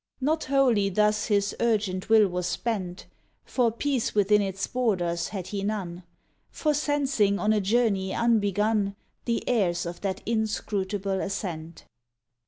Not wholly thus his urgent will was spent, For peace within its borders had he none, Foresensing on a journey unbegun The airs of that inscrutable ascent.